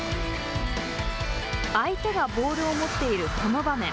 相手がボールを持っているこの場面。